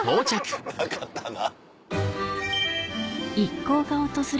なかったな。